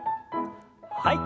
はい。